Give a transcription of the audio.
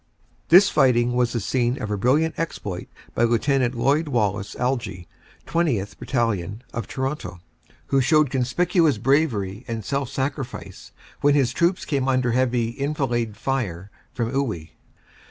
This fighting was the scene of a brilliant exploit by Lieut. Lloyd Wallace Algie, 20th. Battalion, of Toronto, who showed conspicuous bravery and self sacrifice when his troops came under heavy enfilade fire from Iwuy.